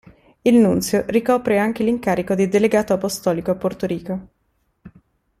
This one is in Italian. Il nunzio ricopre anche l'incarico di delegato apostolico a Porto Rico.